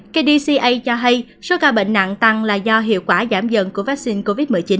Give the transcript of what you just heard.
kdca cho hay số ca bệnh nặng tăng là do hiệu quả giảm dần của vaccine covid một mươi chín